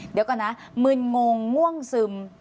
เดี๋ยวก่อนนะมึนงง่วงซึม